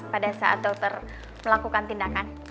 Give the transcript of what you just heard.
pada saat dokter melakukan tindakan